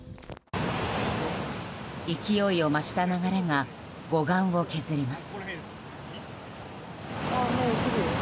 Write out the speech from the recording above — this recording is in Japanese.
勢いを増した流れが護岸を削ります。